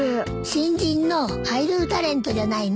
新人のアイドルタレントじゃないの？